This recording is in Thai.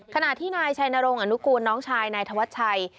ขณะที่นายชัยนรงอนุกูลน้องชายนายธวัชชัย